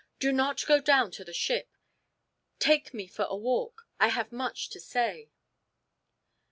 "Do not go down to the ship. Take me for a walk. I have much to say."